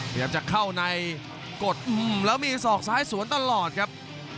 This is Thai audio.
พยายามจะเข้าในกดแล้วมีศอกซ้ายสวนตลอดครับ